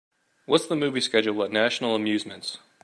what's the movie schedule at National Amusements